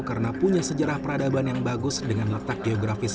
karena punya sejarah peradaban yang bagus dengan letak geografis